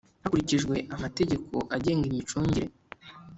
Hakurikijwe amategeko agenga imicungire